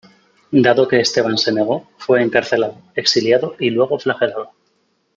Dado que Esteban se negó, fue encarcelado, exiliado y luego flagelado.